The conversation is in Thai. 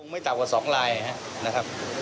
ไม่ต่ำกว่า๒ลายนะครับ